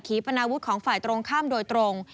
ปนาวุฒิของฝ่ายตรงข้ามโดยตรง